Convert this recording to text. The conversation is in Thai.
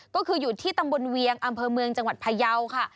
ก็คืออยู่ที่ตำบลเวียงอำเภอเมืองจังหวัดพยาวค่ะ